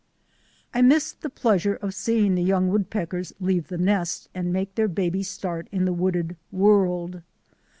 I missed the pleasure of seeing the young wood peckers leave the nest and make their baby start in the wooded world.